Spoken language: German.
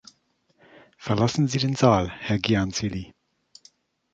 Verlassen Sie den Saal, Herr Giansily!